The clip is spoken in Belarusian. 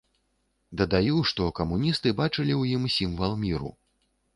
Дадаю, што камуністы бачылі ў ім сімвал міру.